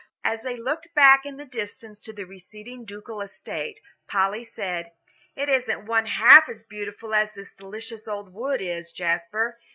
As they looked back in the distance to the receding ducal estate, Polly said: "It isn't one half as beautiful as this delicious old wood is, Jasper.